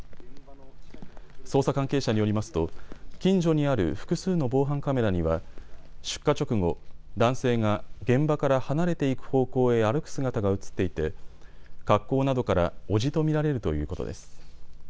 捜査関係者によりますと近所にある複数の防犯カメラには出火直後、男性が現場から離れていく方向へ歩く姿が写っていて格好などから伯父と見られるということです。